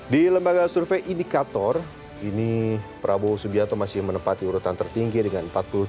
di lembaga survei indikator ini prabowo subianto masih menempati urutan tertinggi dengan empat puluh tiga